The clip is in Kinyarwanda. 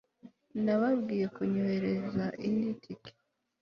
nababwiye kunyoherereza indi tike